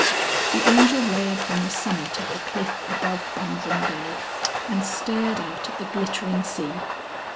XLIII. The Angel lay upon the summit of the cliff above Bandram Bay, and stared out at the glittering sea.